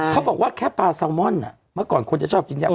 เขาบอกว่าแค่ปลาแซลมอนเมื่อก่อนคนจะชอบกินย่า